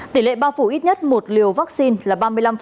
tỷ lệ bao phủ ít nhất một liều vaccine là ba mươi năm